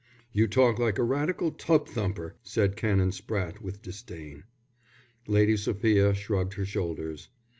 "You talk like a Radical tub thumper," said Canon Spratte, with disdain. Lady Sophia shrugged her shoulders.